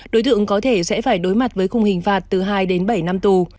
đối tượng có thể sẽ phải đối mặt với khung hình phạt từ hai đến bảy năm tù